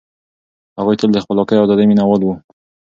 هغوی تل د خپلواکۍ او ازادۍ مينه وال وو.